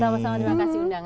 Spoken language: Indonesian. sama sama terima kasih undangan